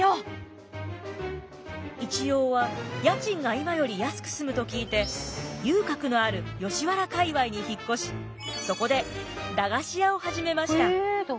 一葉は家賃が今より安く済むと聞いて遊郭のある吉原界わいに引っ越しそこでえ駄菓子屋さん？